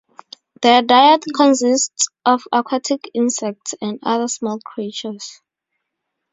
Their diet consists of aquatic insects and other small creatures.